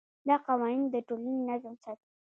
دا قانون د ټولنې نظم ساتي.